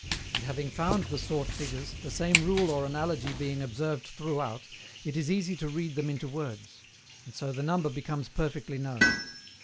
And having found the sought figures, the same rule or analogy being observed throughout, it is easy to read them into words; and so the number becomes perfectly known.